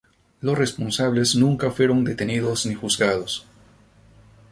Los responsables nunca fueron detenidos ni juzgados.